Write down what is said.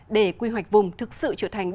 để quy hoạch vùng thực sự trở thành động lực